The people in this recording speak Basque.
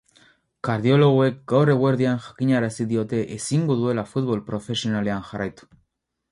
Kardiologoek gaur eguerdian jakinarazi diote ezingo duela futbol profesionalean jarraitu.